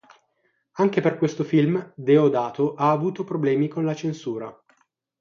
Anche per questo film Deodato ha avuto problemi con la censura.